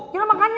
yaudah makan ya